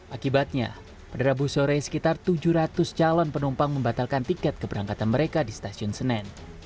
akibatnya pada rabu sore sekitar tujuh ratus calon penumpang membatalkan tiket keberangkatan mereka di stasiun senen